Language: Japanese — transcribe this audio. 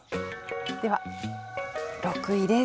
では６位です。